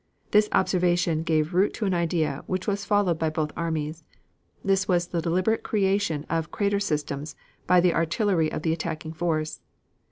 This observation gave root to an idea which was followed by both armies; this was the deliberate creation of crater systems by the artillery of the attacking force.